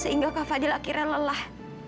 sehingga kak fadil akhirnya lelah